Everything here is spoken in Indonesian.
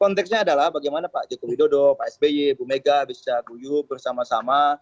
konteksnya adalah bagaimana pak jokowi dodo pak spi bu mega bisa guyup bersama sama